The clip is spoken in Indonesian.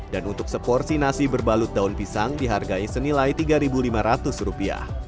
dan untuk seporsi nasi berbalut daun pisang dihargai senilai rp tiga lima ratus